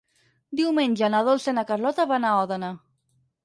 Diumenge na Dolça i na Carlota van a Òdena.